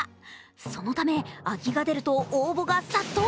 そのため空きが出ると応募が殺到。